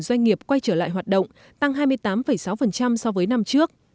doanh nghiệp quay trở lại hoạt động tăng hai mươi tám sáu so với năm trước